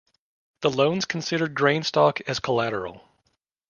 The loans considers grain stock as collateral.